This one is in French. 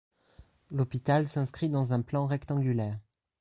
L'hôpital s'inscrit dans un plan rectangulaire.